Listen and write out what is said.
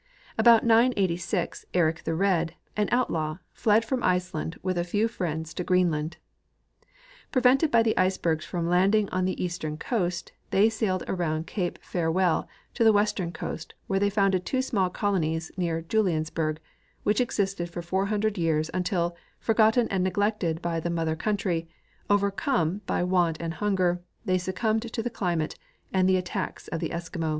About 986, Eric the Red, an outlaAV, fled from Iceland AAdth a feAV friends to Greenland. Prevented by the icebergs from landing on the eastern coast, they sailed around cape Farewell to the Avestern coast Avhere they founded two small colonies near Juliansburg, Avhich existed for four hundred years until, forgotten and neg lected by the mother country, overcome by Avant and hunger, they succumbed to the climate and the attacks of the Eskimo.